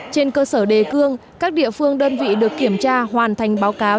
trên cơ sở đề cương các địa phương đơn vị được kiểm tra hoàn thành báo cáo